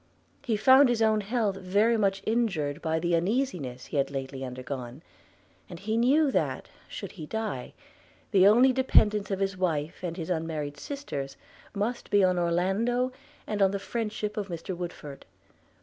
He found his own health very much injured by the uneasiness he had lately undergone; and he knew that, should he die, the only dependence of his wife and his unmarried daughters must be on Orlando, and on the friendship of Woodford.